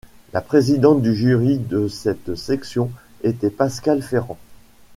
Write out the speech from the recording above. La présidente du jury de cette section était Pascale Ferran.